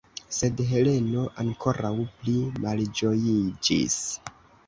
Sed Heleno ankoraŭ pli malĝojiĝis.